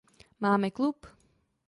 Máme klub?